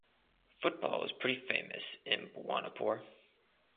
Football is pretty famous in bhawanipore.